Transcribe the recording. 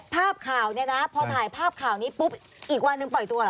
ภาพข่าวเนี่ยนะพอถ่ายภาพข่าวนี้ปุ๊บอีกวันหนึ่งปล่อยตัวเหรอ